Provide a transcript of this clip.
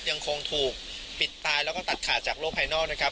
ยังคงถูกปิดตายแล้วก็ตัดขาดจากโลกภายนอกนะครับ